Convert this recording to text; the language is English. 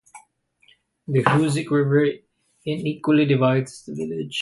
The Hoosic River unequally divides the village.